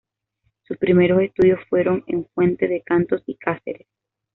Sus primeros estudios fueron en Fuente de Cantos y Cáceres.